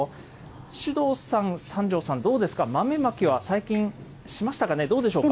首藤さん、三條さん、どうですか、豆まきは最近しましたかね、どうでしょうか。